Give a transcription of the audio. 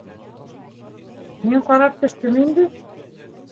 Мин ҡарап төштөм инде.